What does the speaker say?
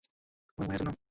তোমার মায়ের জন্য?